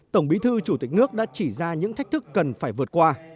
tổng bí thư chủ tịch nước đã chỉ ra những thách thức cần phải vượt qua